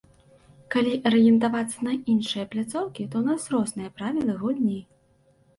Калі арыентавацца на іншыя пляцоўкі, то ў нас розныя правілы гульні.